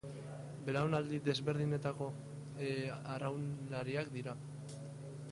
Belaunaldi desberdinetako arraunlariak dira.